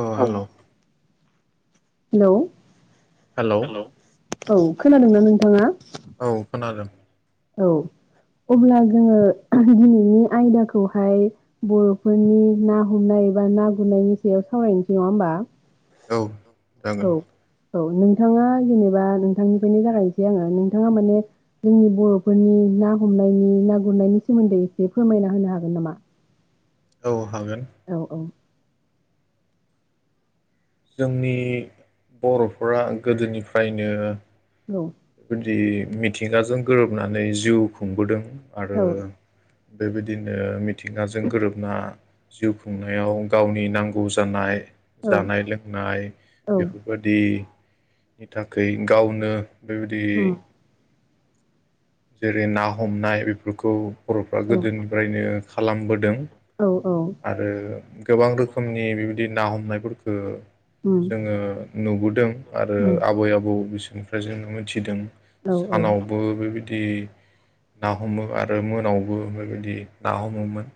अ हेल' hello hello औ खोनादोंना नोंथाङा? औ खोनादों। औ अब्ला जोङो दिनैनि आयदाखौहाय बर'फोरनि ना हमनाय बा ना गुरनायनि सायाव सावरायनोसै नङा होमबा? औ औ जागोन। औ नोंथाङा जेनेबा नोंथांनिफ्रायनो जागायनोसै आङो नोंथाङा माने जोंनि बर'फोरनि ना हमनायनि ना गुरनायनि सोमोन्दै एसे फोरमायना होनो हागोन नामा? औ हागोन औ औ जोंनि बर'फोरा गोदोनिफ्रायनो न' दि मिद मिथिगाजों गोरोबनानै जिउ खुंबोदों। आरो औ बेबायदिनो मिथिंगाजों गोरोबना जिउ खुंनायाव गावनि नांगौ जानाय। जानाय लोंनाय औ औ बेफोरबायदि नि थाखाय गावनो बेबायदि उम जेरै ना हमनाय बेफोरखौ बर'फ्रा औ गोदोनिफ्रायनो खालामबोदों औ औ आरो गोबां रोखोमनि बिबायदि ना हमनायफोरखौ उम जोङो नुबोदों आरो उम आबै आबौ बिसोरनिफ्राय जों मिथिदों औ औ सानावबो बेबायदि ना हमो आरो मोनायावबो बेबायदि ना हमोमोन।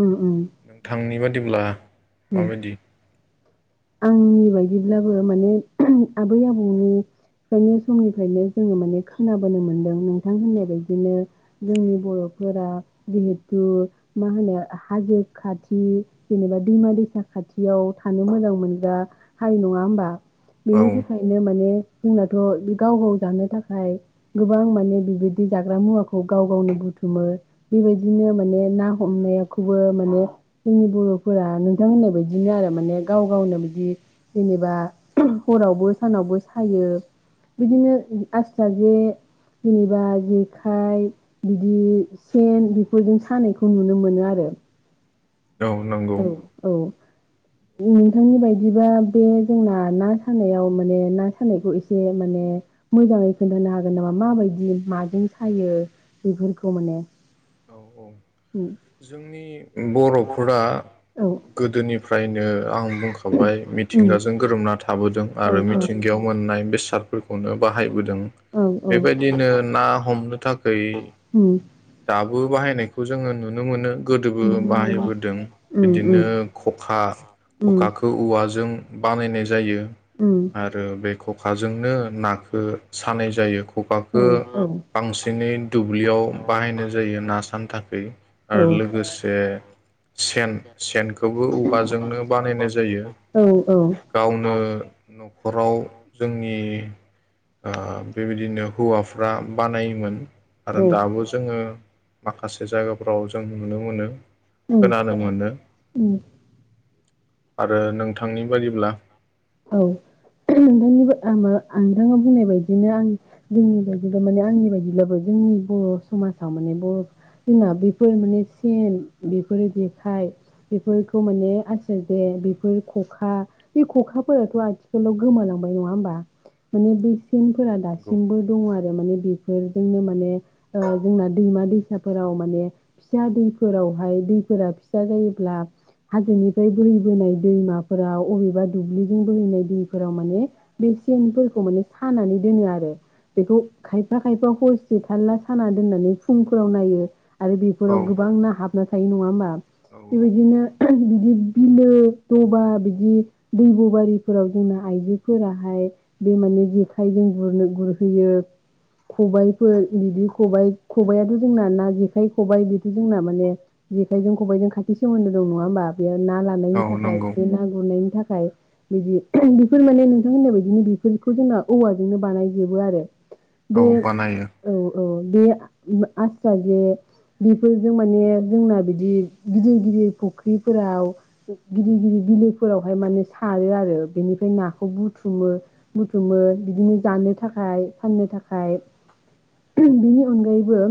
उम उम नोंथांनि बा बिदिब्ला उम माबायदि आंनि बायदिब्लाबो माने आबै आबौनिफ्रायनो समनिफ्रायनो जोङो माने खोनाबोनो मोनदों नोंथां होननाय बायदिनो जोंनि बर'फोरा जिहेथु मा होनो हाजो खाथि जेनेबा दैमा दैसा खाथियाव थानो मोजां मोन। मोनग्रा हारि नङा होमबा? औ बिनि थाखायनो माने। जोंनाथ' बे गाव गाव जानो थाखाय गोबां माने बेबायदि जाग्रा मुवाखौ गाव गावनो बुथुमो बेबायदिनो माने ना हमनायखौबो माने जोंनि बर'फोरा नोंथां होननाय बायदिनो आरो माने गाव गावनो बिदि जेनेबा हरावबो सानावबो सायो बिदिनो आसथ जे जेनेबा जेखाइ बिदि सेन बेफोरजों सानायखौ नुनो मोनो आरो। औ नंगौ। औ नोंथांनि बायदिबा बे जोंना ना सानायाव माने ना सानायखौ एसे माने मोजाङै खोन्थानो हागोन नामा माबायदि माजों सायो बेफोरखौ माने औ औ जोंनि बर'फोरा औ गोदोनि फ्रायनो आं बुंखाबाय उम मिथिंगाजों गोरोमना थाबोदों आरो औ मिथिंगायाव मोननाय बेसादफोरखौनो बाहाय बोदों औ औ बेबायदिनो ना हमनो थाखाय उम दाबो बाहायनायखौ जोङो नुनो मोनो गोदोबो नुनो मोनो बाहायबोदों उम बिदिनो खखा उम खखाखौ औवाजों बानायनाय जायो उम आरो बेखौ खखाजोंनो नाखो सानाय जायो औ खखाखो बांसिनै दुब्लियाव बाहायनाय जायो ना सानो थाखै आरो लोगोसे सेन सेनखौबो औवाजोंनो बानायनाय जायो औ औ गावनो न'खराव जोंनि ओ बेबायदिनो हौवाफ्रा बानायोमोन आरो औ दाबो जोङो माखासे जायगाफ्राव जों नुनो मोनो उम खोनानो मोनो उम आरो नोंथांनि बायदिब्ला औ नोंथांनिबा‌ आंबो आं नोंथाङा बुंनाय बायदिनो आं जोंनि बायदिब्ला माने आंनि बायदिब्लाबो जोंनि बर' समाजाव माने बर' जोंना बेफोर माने सेन बेफोरो जेखाय बेफोरखौ माने आसिर दे बेफोर खखा बे खखा फोराथ' आथिखालाव गोमालांबाय नङा होमबा माने बे सेनफोरा नंगौ दासिमबो दङ आरो माने बेफोरजोंनो माने ओ जोंना दैमा दैसाफोराव माने फिसा दैफोरावहाय दैफोरा फिसा जायोब्ला हाजोनिफ्राय बोहैबोनाय दैमाफोराव अबेबा दुब्लि बोहैनाय दैफोराव माने बे सेनफोरखौ माने सानानै दोनो आरो बेखौ खायफा खायफा हरसे थालला साना दोननानै फुंफोराव नायो आरो औ बेफोराव गोबां ना हाबनाय ना थायो नङा होमबा औ बेबायदिनो बिदि बिलो दबा बिदि दैबो बोरिफोराव जोंना आइजोफोराहाय बे माने जेखाइजों गुरनो गुरहैयो खबाइफोर बिदि खबाइ खबायाथ' जोंना ना जेखाइ खबाइ बेथ' जोंना माने जेखाइजों खबाइजों खाथि सोमोन्दो दं नङा होमबा बेयो ना लानायनि औ थाखाय नंगौ बे ना गुरनायनि थाखाय बिदि बेफोर माने नोंथां होननाय बायदिनो बेफोरखौ जोंना औवाजोंनो बानायजोबो आरो औ बे बानायो औ औ बे आस्रा जे बेफोरजों माने जोंना बिदि गिदिर गिदिर फुख्रिफोराव गिदिर गिदिर बिलोफोरावहाय माने सारो आरो बेनिफ्राय नाखौ बुथुमो बुथुमो बिदिनो जानो थाखाय फाननो थाखाय बेनि अनगायैबो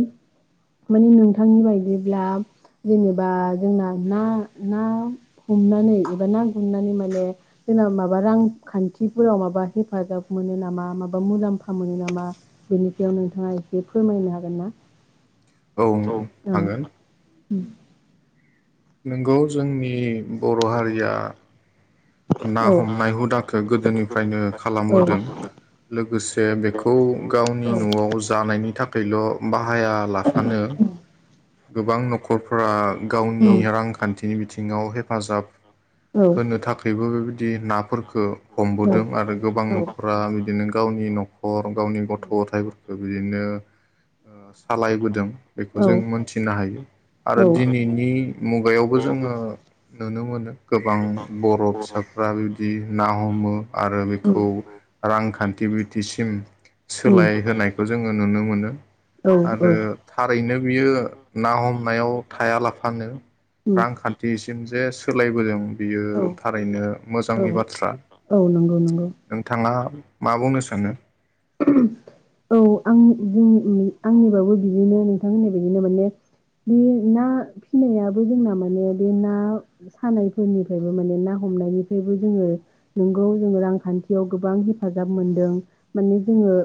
माने नोंथांनि बायदिब्ला जेनेबा जोंना ना ना हमनानै एबा ना गुरनानै माने जोंना माबा रांखान्थिफोराव माबा हेफाजाब मोनो नामा माबा मुलाम्फा मोनो नामा बेनि सायाव नोंथाङा एसे फोरमायनो हागोन ना औ ओं हागोन उम [unintelligible] नोंगौ जोंनि बर' हारिया ना औ हमनाय हुदाखो औ गोदोनिफ्रायनो खालामबोदों लोगोसे बेखौ गावनि न'आव जानायनि थाखायल' बाहाया लाफानो गोबां न'खरफोरा गावनि रांखान्थि नि बिथिङाव हेफाजाब होनो औ थाखायबो बिदि नाफोरफोरखौ हमबोदों आरो गोबां न'खरा बिदिनो गावनि न'खर गावनि गथ' गथाइफोरखौ बिदिनो ओ सालायबोदों बेखौ औ औ जों मोनथि फिनो हायो आरो औ औ दिनैनि मुगायावबो जोङो नुनो मोनो गोबां बर' फिसाफ्रा बिबदि ना हमो आरो उम बेखौ रांखान्थि बिथिसिम उम सोलायहोनायखौ जोङो नुनो मोनो औ आरो थारैनो बियो ना हमनायाव थाया लाफानो उम रांखान्थिसिम जे सोलायबोदों बियो औ थारैनो मोजांनि औ बाथ्रा औ नंगौ नंगौ नोंथाङा मा बुंनो सानो औ आं जों आंनिबाबो बिदिनो नोंथां होननाय बदिनो माने बे ना फिनायाबो जोंना माने बे ना सानायफोरनिफ्रायबो माने ना हमनायनिफ्रायबो जोङो नोंगौ जोङो रांखान्थियाव गोबां हेफाजाब मोनदों माने जोङो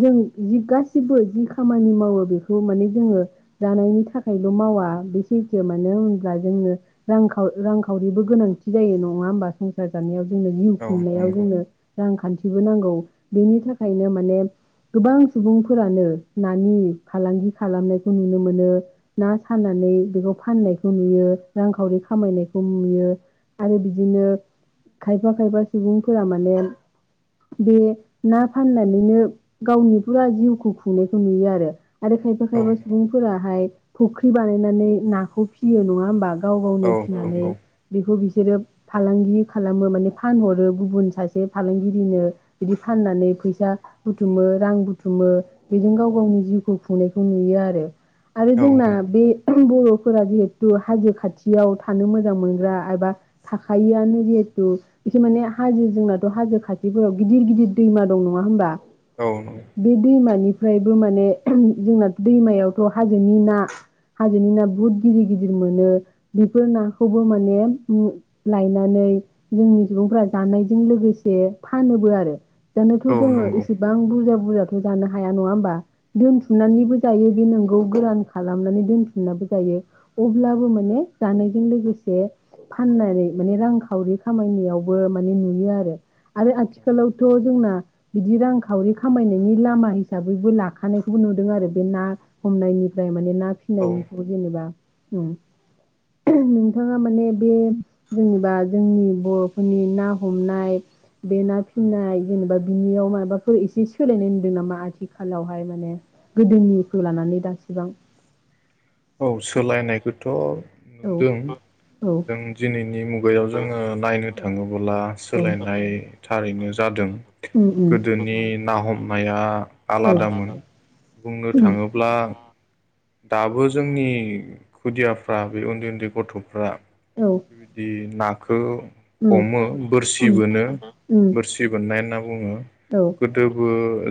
जों जि गासिबो जि खामानि मावो बेखौ माने जोङो जानायनि थाखायल' मावा बे सैथो मानो होनबा जोङो रांखाव रांखावरिबो गोनांथि जायो नङा होनबा संसार जानायाव जोंनो जिउ औ खुंनायाव नंगौ जोंनो रांखान्थि नांगौ बेनि थाखायनो माने गोबां सुबुंफोरानो नानि फालांगि खालामनायखौ नुनो मोनो ना सानानै बेखौ फाननायखौ नुयो रांखावरि खामायनायखौ नुयो आरो बिदिनो खायफा खायफा सुबुंफोरा माने बे ना फाननानैनो गावनि फुरा जिउखौ खुंनायखौ नुयो आरो आरो खायफा औ खायफा सुबुंफोरा हाय फुख्रि बानायनानै नाखौ फियो नङा होमबा गाव गावनो औ फिनानै नंगौ बेखौ बि बिसोरो फालांगि खालामो माने फानहरो गुबुन सासे फालांगिरिनो बिदि फाननानै फैसा बुथुमो रां बुथुमो बेजों गाव गावनि जिउखौ खुंनायखौ नुयो आरो आरो औ जोंना नंगौ बे बर'फोरा जिहेथु हाजो खाथियाव थानो मोजां मोनग्रा एबा थाखायोआनो जिहेथु बेसोर माने हाजो जोंनाथ' हाजो खाथिफोराव गिदिर गिदिर दैमा दं नङा होमबा औ नंगौ बे दैमानि बेफोरबादि माने जोंनाथ' दैमायावथ' हाजोनि ना हाजोनि ना बहुत गिदिर गिदिर मोनो बेफोर नाखौबो माने लायनानै जोंनि सुबुंफोरा जानायजों लोगोसे फानोबो बो आरो जानोथ' औ जोङो नंगौ इसेबां बुरजा बुरजाथ' जानो हाया नङा होनबा दोनथुमनानैबो जायो नोंगौ गोरान खालामनानै दोनथुमनाबो जायो अब्लाबो माने जानायजों लोगोसे फाननानै माने रांखावरि खामायनायावबो माने नुयो आरो आरो आथिखाल आथिखालावथ' जोंना बिदि रांखावरि खामायनायनि लामा हिसाबैबो लाखानायखौबो नुदों आरो बे ना हमनायनिफ्राय माने ना औ फिनायनिखौ जेनेबा उम [unintelligible] नोंथाङा माने बे जेनेबा जोंनि बर'फोरनि ना हमनाय बे ना फिनाय जेनेबा बिनियाव माबाफोर एसे सोलायनाय होनदों नामा आथिखालावहाय माने गोदोनिखौ लानानै दासिबां औ सोलायनायखौथ' औ नुदों औ जों दिनैनि मुगा बैयाव जोङो नायनो औ थाङोबोला सोलायनाय थारैनो जादों उम उम गोदोनि ना हमनाया औ आलादामोन बुंनो उम थाङोब्ला दाबो जोंनि खुदिया फ्रा बे उन्दै उन्दै गथ'फ्रा औ बिबायदि नाखौ उम हमो बोरसि उम बोनो उम बोरसि बोननाय होनना बुङो औ गोदोबो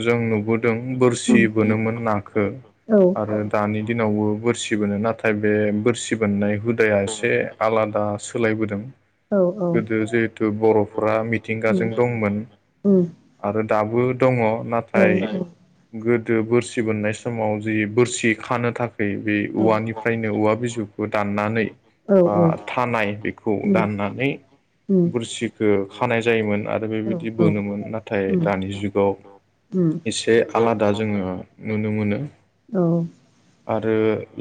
जों नुबोदों बोरसि उम औ बोनोमोन नाखो आरो नावबो बोरसि बोनो नाथ थाय बे बोरसि बोननाय हुदाया एसे आलादा सोलायबोदों औ उम गोदो जिहेथु बर' फ्रा मिथिंगाजों दंमोन उम आरो दाबो दङ औ उम नाथाय गोदो बोरसि बोननाय समाव जि बोरसि खानो थाखाय बे उम औवानिफ्रायनो औवा बिजौखौ दाननानै औ उम बा थानाय बे खौ दान्नानै बुरसिखो खानाय जायोमोन आरो बेबायदि बोनोमोन नाथाय दानि जुगाव उम एसे आलादा जोङो नुनो मोनो औ औ आरो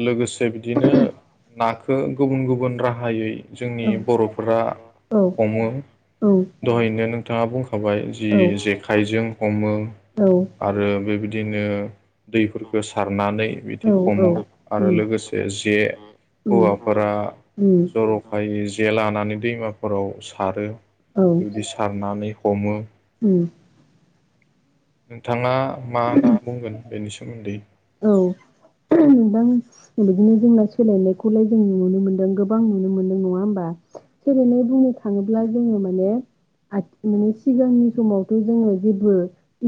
लोगोसे बिदिनो नाखो गुबुन गुबुन राहायै औ औ जोंनि बर'फोरा उम उम हमो उम दहायनो नोंथाङा बुंखाबाय जि जेखाइजों हमो आरो बेबिदिनो दैफोरखो सारनानै बि बिदि हमो आरो लोगोसे जे हौवाफोरा जर'खायै जे लानानै दैमाफोराव सारो औ बेबायदि सारनानै हमो उम [inaudible] नोंथांङा मा बुंगोन बेनिसिम सोमोन्दै औ नोंदां बिदिनो जोंना सोलायनायखौलाय जोंनो नुनो मोनदों गोबां नुनो मोनदों। नङा होमबा? सोलायनाय बुंनो थाङो थाङोब्ला जोङो माने माने सिगांनि समावथ' जोङो जेबो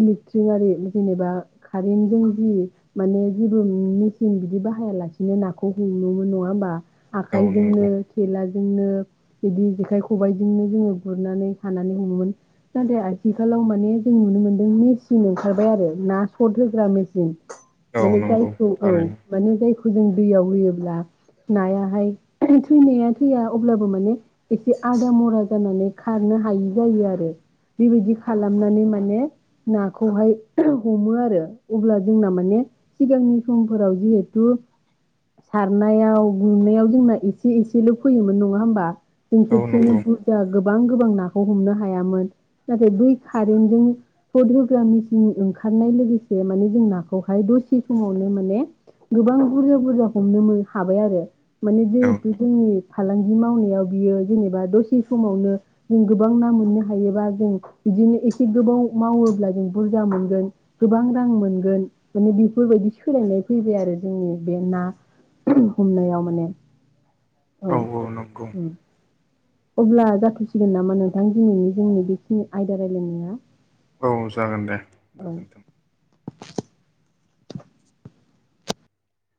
इलेक्ट्रिक आरि जेनेबा कारेन्टजों जि माने जेबो मेचन बिदि बाहायालासिनो नाखौ हमोमोन नङा होमबा औ आखाइजोंनो नंगौ थेलाजोंनो बिदि जेखाइ खबाइजोंनो जोङो गुरनानै खानानै हमोमोन नाथाय आथिखालाव माने जों नुनो मोन्दों मेचिन ओंखारबाय आरो ना सर्ट होग्रा मेचिन। औ माने नंगौ जायखौ औ थारैनो माने जायख जों दैयाव होयोब्ला नायाहाय थैनाया थैया अब्लाबो माने एसे आदा मरा जानानै खारनो हायि जायो आरो बेबायदि खालामनानै माने नाखौहाय हमो आरो अब्ला जोंना माने सिगांनि समफोराव जिहेथु सारनायाव गुरनायाव जोंना एसे एसेल फैयोमोन नङा होमबा जों औ खेबसेयैनो नंगौ बुरजा गोबां गोबां नाखौ हमनो हायामोन नाथाय बै कारेन्टजों सट होग्रा मिसिन ओंखारनाय लोगोसे माने जों नाखौहाय दस थि समावनो माने गोबां बुरजा बुरजा हमनो मो हाबाय आरो माने औ जेहेतु जोंनि फालांगि मावनायाव बियो जेनेबा दसे समावनो जों गोबां ना मोननो हायोबा जों बिदिनो एसे गोबाव मावोब्ला जों बुरजा मोनगोन गोबां रां मोनगोन माने बे बेफोरबायदि सोलायनाय फैबाय आरो जोंनि बे ना हमनायाव माने औ औ नंगौ उम अब्ला जाथ'सिगोन नामा नोंथां दिनैनि जोंनि बेखिनि आयदा रायलायनाया? औ जागोन दे औ गोजोनथों